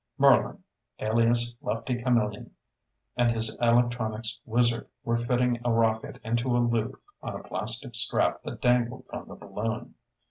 Merlin, alias Lefty Camillion, and his electronics wizard were fitting a rocket into a loop on a plastic strap that dangled from the balloon.